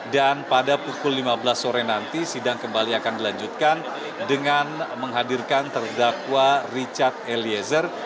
dan pada pukul lima belas sore nanti sidang kembali akan dilanjutkan dengan menghadirkan terdakwa richard eliezer